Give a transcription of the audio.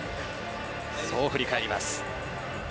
そう振り返ります。